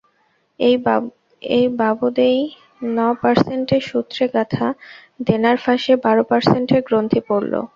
এই বাবদেই ন-পার্সেন্টের সূত্রে গাঁথা দেনার ফাঁসে বারো পার্সেন্টের গ্রন্থি পড়ল।